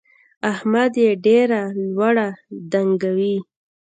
احمد يې ډېره لوړه ډنګوي.